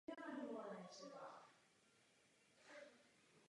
Hänninen uhájil vedení.